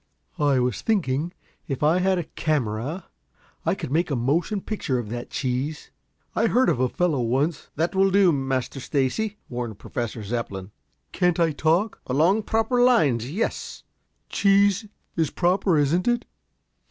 "I was thinking, if I had a camera, I could make a motion picture of that cheese. I heard of a fellow once " "That will do, Master Stacy," warned Professor Zepplin. "Can't I talk?" "Along proper lines yes." "Cheese is proper, isn't it?"